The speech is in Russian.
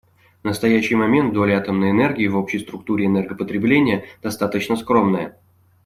В настоящий момент доля атомной энергии в общей структуре электропотребления достаточно скромная.